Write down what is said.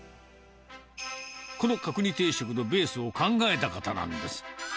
この角煮定食のベースを考えた方なんです。